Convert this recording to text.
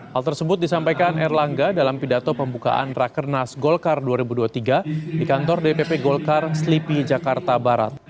hal tersebut disampaikan erlangga dalam pidato pembukaan rakernas golkar dua ribu dua puluh tiga di kantor dpp golkar slipi jakarta barat